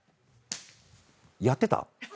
やってた？